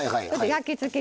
焼き付く。